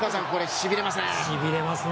しびれますね。